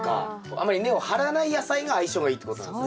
あんまり根を張らない野菜が相性がいいってことなんですね。